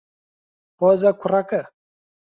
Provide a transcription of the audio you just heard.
قۆزە کوڕەکە.